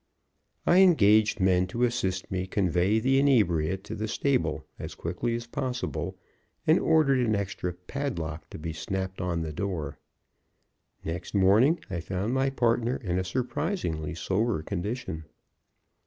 I engaged men to assist me convey the inebriate to the stable as quickly as possible, and ordered an extra padlock to be snapped on the door. Next morning I found my partner in a surprisingly sober condition.